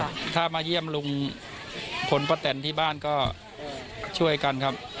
ว่าถ้ามาเยี่ยมลุงทร์รุ่งป๋นดิประเทศที่บ้านก็ช่วยกันครับ